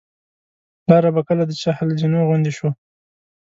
لاره به کله د چهل زینو غوندې شوه.